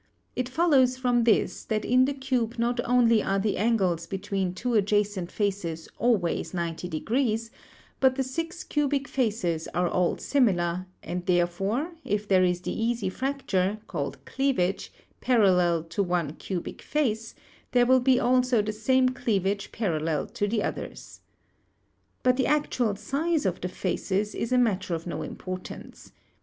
It follows from this that in the cube not only are the angles between two adjacent faces always 90 , but the six cubic faces are all similar; and therefore if there is the easy frac ture, called cleavage, parallel to one cubic face, there will be also the same cleavage parallel to the others. But the actual size of the faces is a matter of no importance.